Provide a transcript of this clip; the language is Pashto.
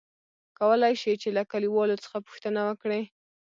کولاى شې ،چې له کليوالو څخه پوښتنه وکړې ؟